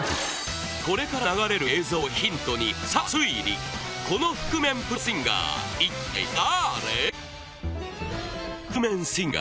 これから流れる映像をヒントにこの覆面プロシンガーいったい誰？